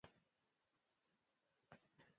Maji ni muhimu kwa mimea